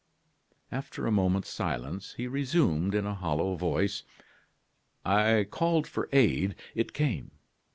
After a moment's silence, he resumed, in a hollow voice: "I called for aid; it came.